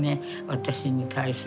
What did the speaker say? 私に対するね。